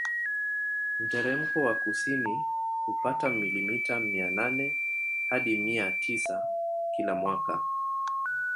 Mteremko wa kusini hupata milimita mia nane hadi mia tisa kila mwaka